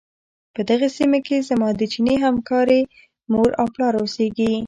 په دغې سيمې کې زما د چيني همکارې مور او پلار اوسيږي.